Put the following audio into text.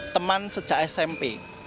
teman sejak smp